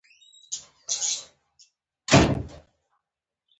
د اساسي قانون لمړۍ ماده